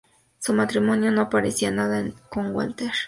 Su matrimonio no se parecía en nada al precedente con Walter.